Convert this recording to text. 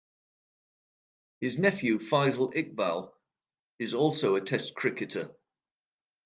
His nephew, Faisal Iqbal, is also a Test cricketer.